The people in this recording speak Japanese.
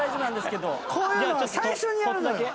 こういうのは最初にやるのよ！